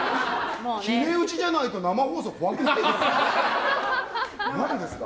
決め打ちじゃないと生放送怖くないですか？